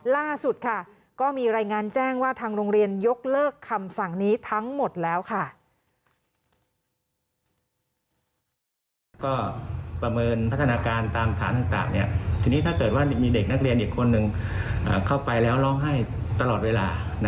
ล่าสุดค่ะก็มีรายงานแจ้งว่าทางโรงเรียนยกเลิกคำสั่งนี้ทั้งหมดแล้วค่ะ